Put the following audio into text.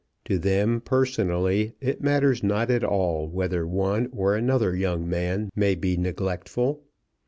To them personally it matters not at all whether one or another young man may be neglectful.